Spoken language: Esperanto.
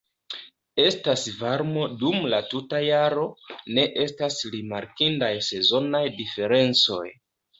Estas varmo dum la tuta jaro, ne estas rimarkindaj sezonaj diferencoj.